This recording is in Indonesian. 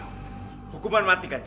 sekarang hukuman apa yang pantas buat dia